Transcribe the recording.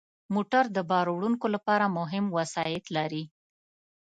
موټر د بار وړونکو لپاره مهم وسایط لري.